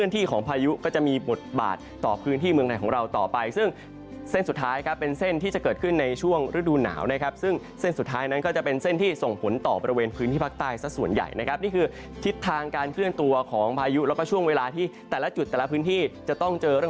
ที่ของพายุก็จะมีบทบาทต่อพื้นที่เมืองไทยของเราต่อไปซึ่งเส้นสุดท้ายครับเป็นเส้นที่จะเกิดขึ้นในช่วงฤดูหนาวนะครับซึ่งเส้นสุดท้ายนั้นก็จะเป็นเส้นที่ส่งผลต่อบริเวณพื้นที่ภาคใต้สักส่วนใหญ่นะครับนี่คือทิศทางการเคลื่อนตัวของพายุแล้วก็ช่วงเวลาที่แต่ละจุดแต่ละพื้นที่จะต้องเจอเรื่อง